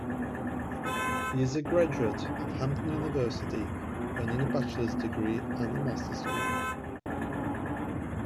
He is a graduate of Hampton University, earning bachelor's and master's degrees.